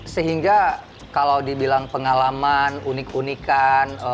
sehingga kalau dibilang pengalaman unik unikan